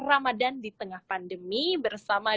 ramadan di tengah pandemi bersama